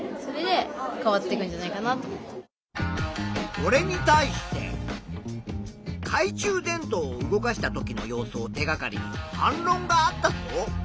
これに対してかい中電灯を動かしたときの様子を手がかりに反ろんがあったぞ。